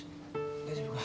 大丈夫か？